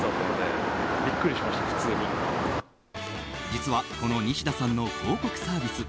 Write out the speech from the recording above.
実は、このニシダさんの広告サービス